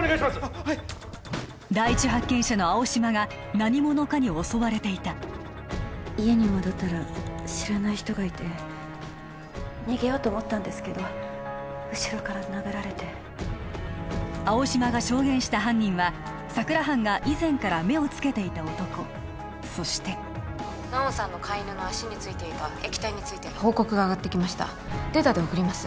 あっはい第一発見者の青嶌が何者かに襲われていた家に戻ったら知らない人がいて逃げようと思ったんですけど後ろから殴られて青嶌が証言した犯人は佐久良班が以前から目をつけていた男そしてナオンさんの飼い犬の足についていた液体について報告が上がってきましたデータで送ります